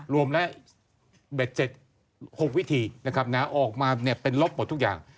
รวมและ๖วิธีออกมาเป็นลบหมดทุกอย่าง